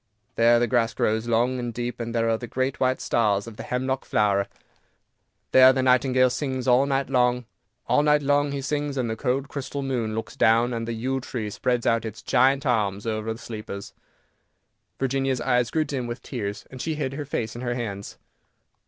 There the grass grows long and deep, there are the great white stars of the hemlock flower, there the nightingale sings all night long. All night long he sings, and the cold crystal moon looks down, and the yew tree spreads out its giant arms over the sleepers." Virginia's eyes grew dim with tears, and she hid her face in her hands.